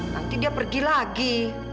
nanti dia pergi lagi